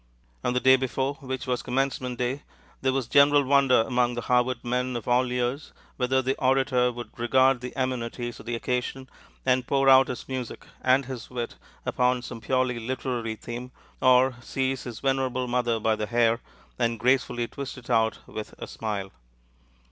On the day before, which was Commencement day, there was general wonder among the Harvard men of all years whether the orator would regard the amenities of the occasion, and pour out his music and his wit upon some purely literary theme, or seize his venerable mother by the hair, and gracefully twist it out with a smile.